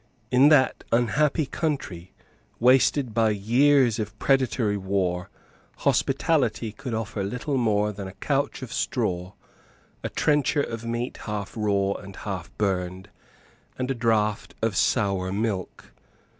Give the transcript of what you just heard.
In that unhappy country, wasted by years of predatory war, hospitality could offer little more than a couch of straw, a trencher of meat half raw and half burned, and a draught of sour milk.